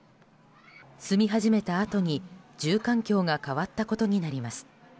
住み始めたあとに、住環境が変わったことになります。